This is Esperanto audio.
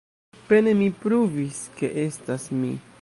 Pene mi pruvis ke estas mi.